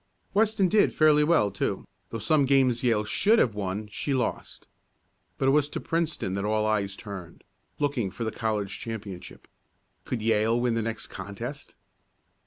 Weston did fairly well, too, though some games Yale should have won she lost. But it was to Princeton that all eyes turned, looking for the college championship. Could Yale win the next contest?